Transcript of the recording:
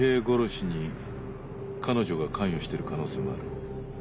殺しに彼女が関与している可能性もある。